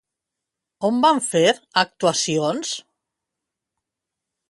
On van fer actuacions?